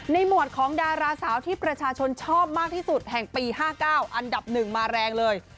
หมวดของดาราสาวที่ประชาชนชอบมากที่สุดแห่งปี๕๙อันดับ๑มาแรงเลย